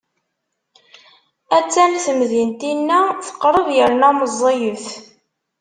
A-tt-an temdint-inna, teqreb yerna meẓẓiyet.